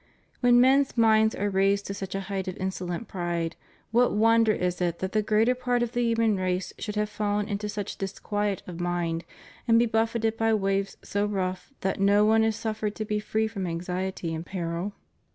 When men's minds are raised to such a height of insolent pride, what wonder is it that the greater part of the human race should have fallen into such disquiet of mind and be buffeted by waves so rough that no one is suffered to be free from anxiety and peril?